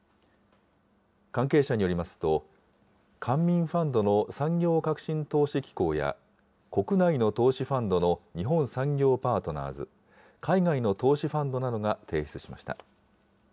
関係者によりますと、官民ファンドの産業革新投資機構や、国内の投資ファンドの日本産業パートナーズ、海外の投資ファンドなどが提出しました。